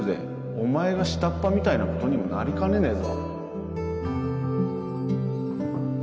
お前が下っ端みたいなことにもなりかねねえぞ